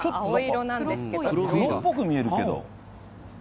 黒っぽく見えるけど。